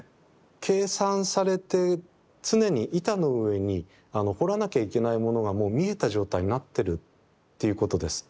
計算されて常に板の上に彫らなきゃいけないものが見えた状態になってるっていうことです。